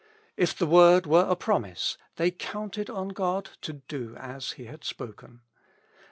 If the word were a promise, they counted on God to do as He had spoken.